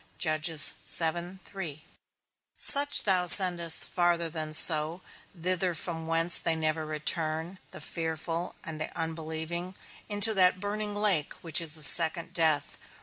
Such thou sendest farther than so; thither from whence they never return: The fearful and the unbelieving, into that burning lake which is the second death.